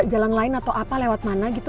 jalan lain atau apa lewat mana gitu